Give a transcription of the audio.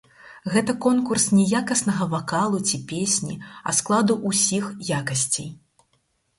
Гэта конкурс не якаснага вакалу ці песні, а складу ўсіх якасцей.